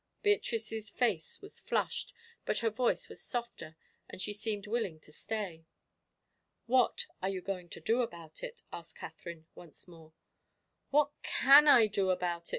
Beatrice's face was flushed, but her voice was softer, and she seemed willing to stay. "What are you going to do about it?" asked Katherine, once more. "What can I do about it?"